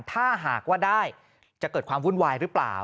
ถ้าหากว่าได้จะเกิดความวุ่นวายหรือเปล่า